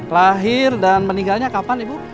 lahir dan meninggalnya kapan ibu